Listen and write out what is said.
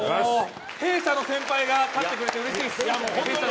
弊社の先輩が勝ってくれてうれしいです。